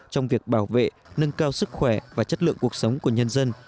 trong việc bảo vệ nâng cao sức khỏe và chất lượng cuộc sống của nhân dân